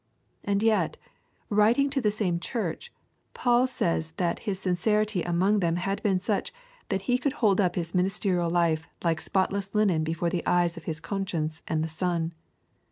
And yet, writing to the same church, Paul says that his sincerity among them had been such that he could hold up his ministerial life like spotless linen between the eye of his conscience and the sun.